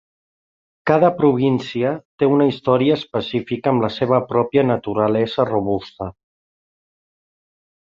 Cada província té una història específica amb la seva pròpia naturalesa robusta.